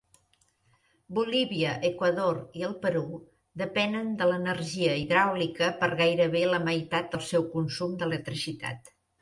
Bolívia, Ecuador i el Perú depenen de l'energia hidràulica per gairebé la meitat del seu consum d'electricitat.